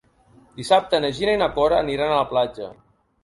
Dissabte na Gina i na Cora aniran a la platja.